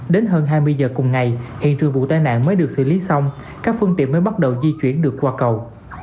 đến hơn hai mươi giờ cùng ngày hiện trường vụ tai nạn mới được xử lý xong các phương tiện mới bắt đầu di chuyển được qua cầu